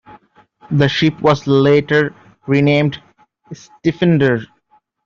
The ship was later renamed Stifinder.